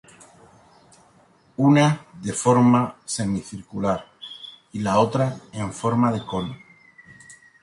Una de forma semicircular y la otra en forma de cono.